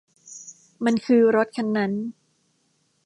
มันคือรถคันนั้น